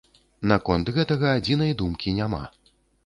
Наконт гэтага адзінай думкі няма.